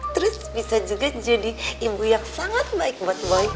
terus bisa juga jadi ibu yang sangat baik buat bayi